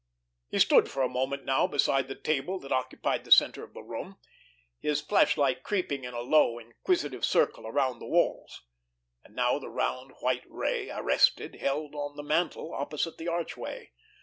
He stood for a moment now beside the table that occupied the center of the room, his flashlight creeping in a slow, inquisitive circle around the walls. And now the round white ray, arrested, held on the mantel opposite the archway.